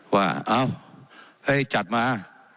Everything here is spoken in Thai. ว่าเอ้าเฮ้ยจัดมา